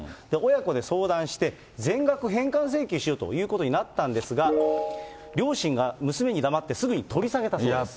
親子で相談して、全額返還請求しようということになったんですが、両親が娘に黙ってすぐに取り下げたそうです。